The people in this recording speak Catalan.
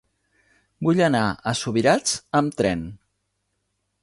Vull anar a Subirats amb tren.